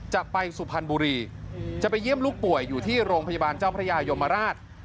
จะไปสุพรรณบุรีจะไปเยี่ยมลูกป่วยอยู่ที่โรงพยาบาลเจ้าพระยายมราช